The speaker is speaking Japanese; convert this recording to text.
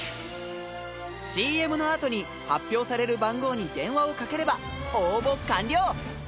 ＣＭの後に発表される番号に電話をかければ応募完了。